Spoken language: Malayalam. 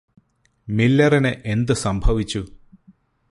മില്ലറിനു എന്ത് സംഭവിച്ചു